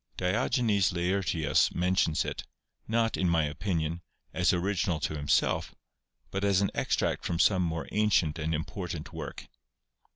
Diogenes Laertius mentions it, not, in my opinion, as original to himself, but as an extract from some more ancient and important work.